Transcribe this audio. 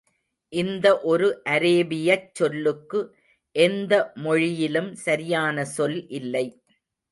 இந்த ஒரு அரேபியச் சொல்லுக்கு, எந்த மொழியிலும் சரியான சொல் இல்லை.